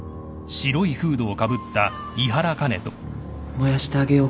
燃やしてあげようか？